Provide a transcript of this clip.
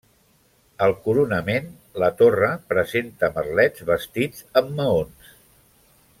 Al coronament, la torre presenta merlets bastits amb maons.